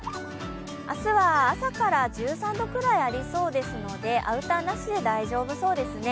明日は朝から１３度くらいありそうですのでアウターなしで大丈夫そうですね。